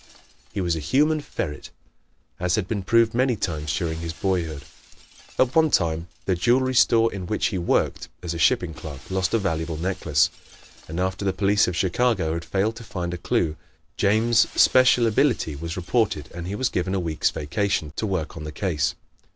He was a human ferret, as had been proven many times during his boyhood. At one time the jewelry store in which he worked as a shipping clerk lost a valuable necklace, and after the police of Chicago had failed to find a clew, James' special ability was reported and he was given a week's vacation to work on the case.